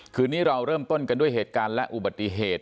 คืนนี้เราเริ่มต้นกันด้วยเหตุการณ์และอุบัติเหตุ